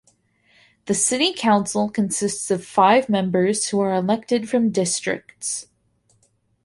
The city council consists of five members who are elected from districts.